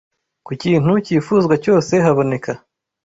ku kintu cyifuzwa cyose haboneka